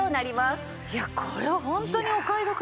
いやこれはホントにお買い得ですね。